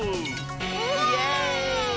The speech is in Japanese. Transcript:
イエーイ！